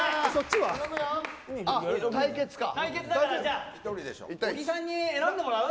対決だから小木さんに選んでもらう？